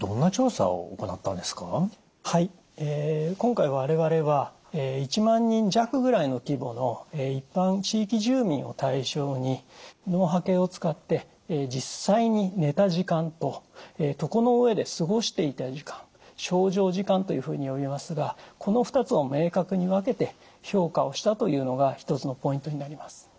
今回我々は１万人弱ぐらいの規模の一般地域住民を対象に脳波計を使って実際に寝た時間と床の上で過ごしていた時間床上時間というふうに呼びますがこの２つを明確に分けて評価をしたというのが一つのポイントになります。